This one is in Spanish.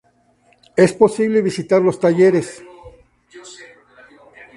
Es posible visitar los talleres.